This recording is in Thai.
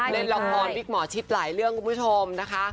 เล่นละครวิกหมอชิดหลายเรื่องคุณผู้ชมนะคะ